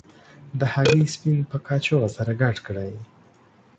د هګۍ سپین په کاشوغه سره ګډ کړئ.